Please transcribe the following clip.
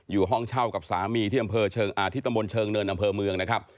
อยู่ห้องเช่ากับสามีที่ตำบลเชิงเนินอำเภอเมืองนะครับ